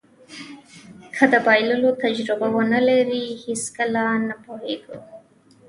که د بایللو تجربه ونلرئ هېڅکله نه پوهېږو.